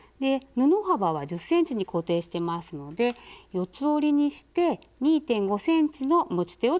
布幅は１０ｃｍに固定してますので四つ折りにして２．５ｃｍの持ち手を作ります。